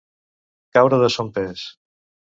Caure de son pes.